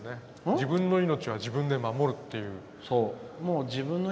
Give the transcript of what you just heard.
自分の命は自分で守るって。